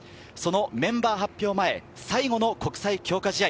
メンバー発表前、最後の国際強化試合。